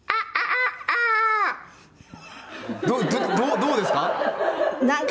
どどうですか？